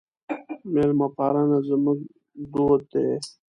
میلمه پالنه زموږ دود دی.